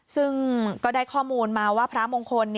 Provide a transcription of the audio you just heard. ซึ่งก็ได้ข้อมูลมาว่าพระมงคล